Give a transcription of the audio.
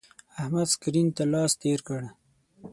احمد سکرین ته لاس تیر کړ.